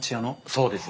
そうです。